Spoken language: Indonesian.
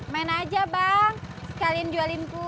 main aja bang sekalian jualin kue